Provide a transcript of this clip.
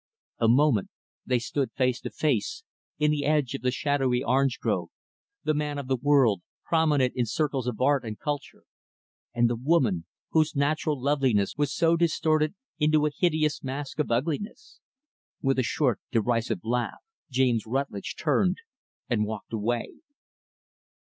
A moment they stood face to face, in the edge of the shadowy orange grove the man of the world, prominent in circles of art and culture; and the woman whose natural loveliness was so distorted into a hideous mask of ugliness. With a short, derisive laugh, James Rutlidge turned and walked away.